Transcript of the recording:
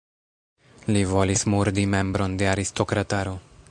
Li volis murdi membron de aristokrataro.